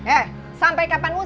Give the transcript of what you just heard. eh sampai kapan gue